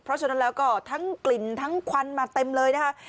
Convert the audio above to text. เพราะฉะนั้นแล้วก็ทั้งกลิ่นทั้งควันมาเต็มเลยนะคะ